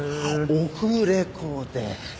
オフレコで。